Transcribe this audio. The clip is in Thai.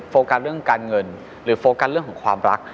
โฟกัสเรื่องการเงินหรือโฟกัสเรื่องของความรัก